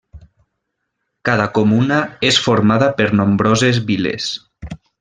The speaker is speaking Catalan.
Cada comuna és formada per nombroses viles.